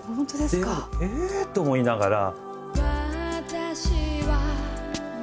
で僕ええ？と思いながら。